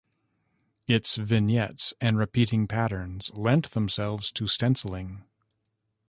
Its vignettes and repeating patterns lent themselves to stencilling.